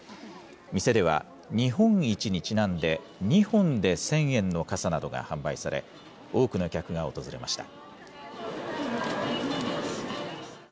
店では日本一にちなんで、２本で１０００円の傘などが販売され、多くの客が訪れました。